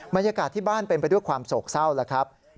บรรยากาศที่บ้านเป็นไปด้วยความโศกเศร้าแล้วครับ